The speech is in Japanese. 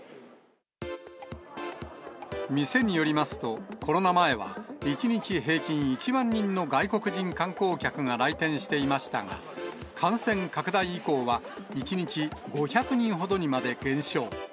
店によりますと、コロナ前は、１日平均１万人の外国人観光客が来店していましたが、感染拡大以降は、１日５００人ほどにまで減少。